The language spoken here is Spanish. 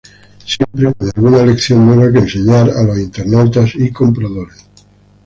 Siempre con alguna lección nueva que enseñar a los internautas y compradores.